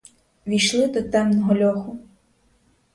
Ввійшли до темного льоху.